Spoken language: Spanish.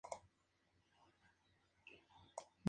Son seguras y efectivas en la prevención de brotes de Influenza.